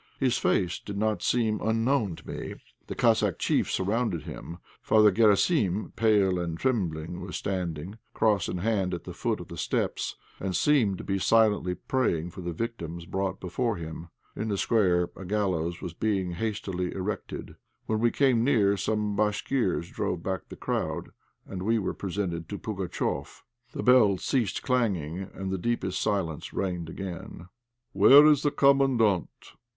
His face did not seem unknown to me. The Cossack chiefs surrounded him. Father Garasim, pale and trembling, was standing, cross in hand, at the foot of the steps, and seemed to be silently praying for the victims brought before him. In the square a gallows was being hastily erected. When we came near, some Bashkirs drove back the crowd, and we were presented to Pugatchéf. The bells ceased clanging, and the deepest silence reigned again. "Where is the Commandant?"